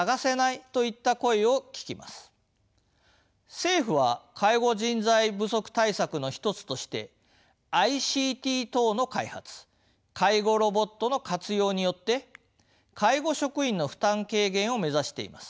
政府は介護人材不足対策の一つとしてＩＣＴ等の開発介護ロボットの活用によって介護職員の負担軽減を目指しています。